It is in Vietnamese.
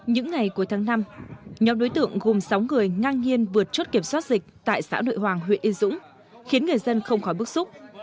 những ngày cuối tháng năm nhóm đối tượng gồm sáu người ngang nhiên vượt chốt kiểm soát dịch tại xã nội hoàng huyện yên dũng khiến người dân không khỏi bức xúc